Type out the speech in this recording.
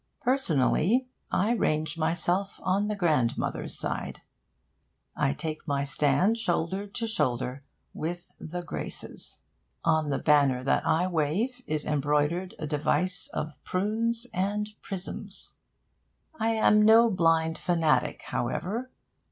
Personally, I range myself on the grandmother's side. I take my stand shoulder to shoulder with the Graces. On the banner that I wave is embroidered a device of prunes and prisms. I am no blind fanatic, however.